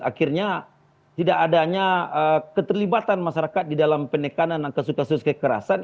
akhirnya tidak adanya keterlibatan masyarakat di dalam pendekanan dan kesukaan kesukaan kerasan